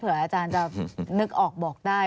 อาจารย์จะนึกออกบอกได้